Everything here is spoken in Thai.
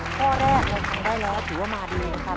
ข้อแรกเราทำได้แล้วถือว่ามาดีนะครับ